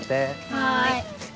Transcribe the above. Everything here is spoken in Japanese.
はい。